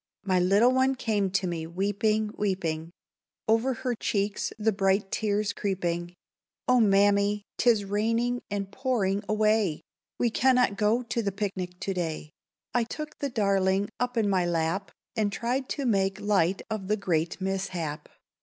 MY little one came to me weeping, weeping, Over her cheeks the bright tears creeping: "Oh, Mammy! 'tis raining and pouring away; We cannot go to the picnic to day!" I took the darling up in my lap, And tried to make light of the great mishap.